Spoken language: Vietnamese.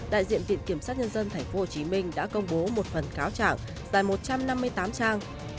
đại diện viện kiểm sát nhân dân tp hcm đã công bố một phần cáo trạng tại một trăm năm mươi tám trang